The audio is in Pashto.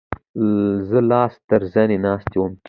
زه لاس تر زنې ناست وم.